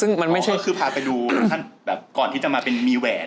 ขอก็คือพาไปดูก่อนที่จะมามีแหวน